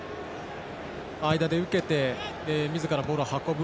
間で受けてみずからボールを運ぶ。